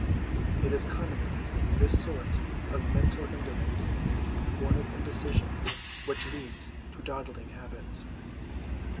It is commonly this sort of mental indolence, born of indecision, which leads to dawdling habits.